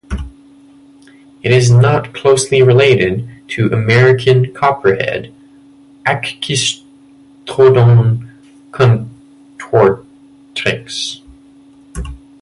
It is not closely related to the American Copperhead, "Agkistrodon contortrix".